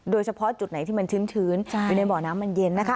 โดยเฉพาะจุดไหนที่มันชื้นอยู่ในบ่อน้ำมันเย็นนะคะ